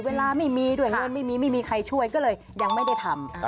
เวลาไม่มีด้วยเงินไม่มีไม่มีใครช่วยก็เลยยังไม่ได้ทำ